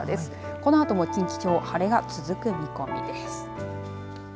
このあとも近畿地方晴れが続く見込みです。